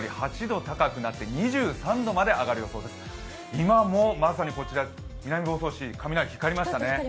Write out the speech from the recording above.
今もまさにこちら南房総市、雷がピカッと光りましたね。